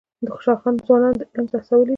خوشحال خان ځوانان علم ته هڅولي دي.